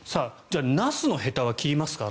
ナスのへたは切りますか？